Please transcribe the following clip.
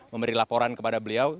memberi laporan kepada beliau